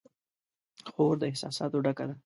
خور د احساساتو ډکه ده.